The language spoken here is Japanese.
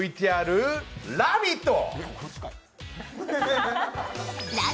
ＶＴＲ、ラヴィット！